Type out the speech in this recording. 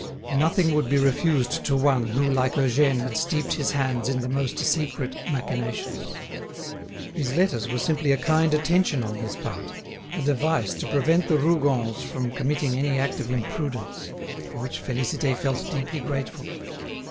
Nothing would be refused to one who like Eugène had steeped his hands in the most secret machinations. His letters were simply a kind attention on his part, a device to prevent the Rougons from committing any act of imprudence, for which Félicité felt deeply grateful.